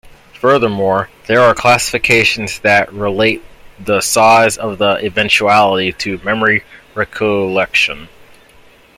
Furthermore, there are classifications that relate the size of the eventuality to memory recollection.